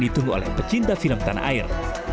ditunggu oleh pecinta film tanah air